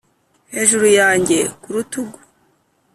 hejuru yanjye, ku rutugu,